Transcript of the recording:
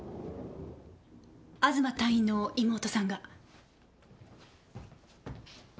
東隊員の妹さんが。